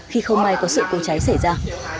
khi không may có sự công cháy xảy ra